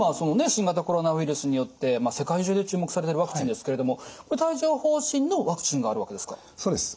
新型コロナウイルスによって世界中で注目されているワクチンですけれども帯状ほう疹のワクチンがあるわけですか？